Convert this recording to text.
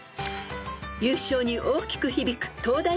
［優勝に大きく響く東大ナゾトレ］